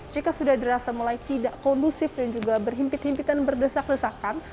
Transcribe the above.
jika sudah dirasa mulai tidak kondusif dan juga berhimpit himpitan berdesak desakan